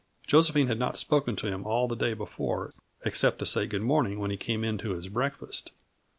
Josephine had not spoken to him all the day before, except to say good morning when he came in to his breakfast.